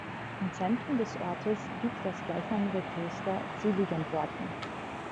Im Zentrum des Ortes liegt das gleichnamige Kloster Seligenporten.